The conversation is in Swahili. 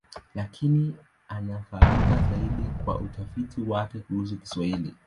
Lakini anafahamika zaidi kwa utafiti wake kuhusu Kiswahili.